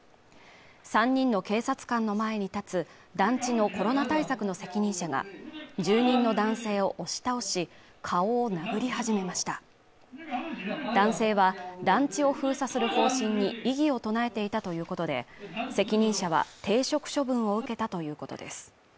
３人の警察官の前に立つ団地のコロナ対策の責任者が住人の男性を押し倒し顔を殴り始めました男性は団地を封鎖する方針に異議を唱えていたということで責任者は停職処分を受けたということです